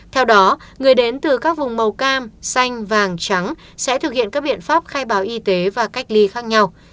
theo đó người đến từ các vùng màu cam xanh vàng trắng sẽ thực hiện các biện pháp khai báo y tế và cách ly khác nhau